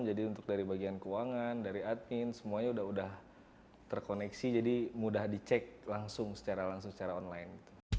untuk dari bagian keuangan dari admin semuanya udah udah terkoneksi jadi mudah dicek langsung secara langsung secara online